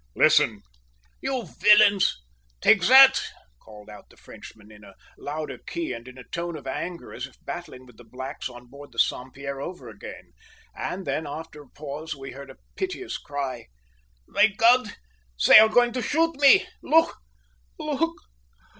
"Listen!" "You villains! take that!" called out the Frenchman in a louder key and in a tone of anger, as if battling with the blacks on board the Saint Pierre over again; and then, after a pause we heard a piteous cry. "My God! they are going to shoot me! Look! Look!